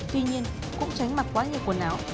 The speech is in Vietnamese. tuy nhiên cũng tránh mặc quá nhiều quần áo